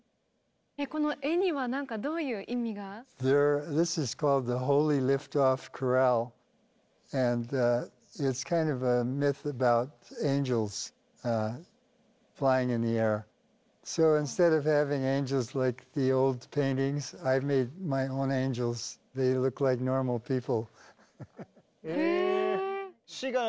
この絵にはなんかどういう意味が？へえ。